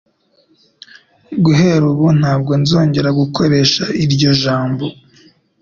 Guhera ubu, ntabwo nzongera gukoresha iryo jambo.